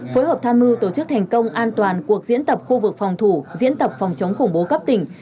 phối hợp tham mưu tổ chức thành công an toàn cuộc diễn tập khu vực phòng thủ diễn tập phòng chống khủng bố cấp tỉnh